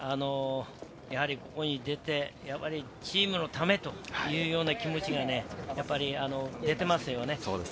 やはりここに出て、チームのためにというような気持ちがやっぱり出てますよね。